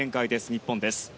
日本です。